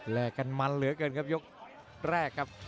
แลกกันมันเหลือเกินครับยกแรกครับ